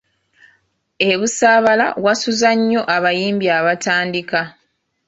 E Busaabala wasuza nnyo abayimbi abatandika.